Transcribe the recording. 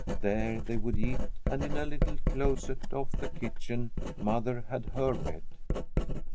There they would eat, and in a little closet off the kitchen mother had her bed.